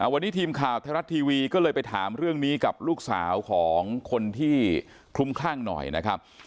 วันนี้ทีมข่าวไทยรัฐทีวีก็เลยไปถามเรื่องนี้กับลูกสาวของคนที่คลุมคลั่งหน่อยนะครับ